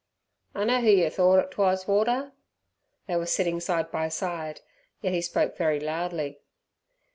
"I know who yer thort 'twas, Warder!" They were sitting side by side, yet he spoke very loudly.